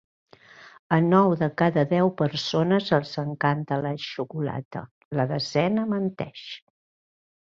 A nou de cada deu persones els encanta la xocolata; la desena, menteix.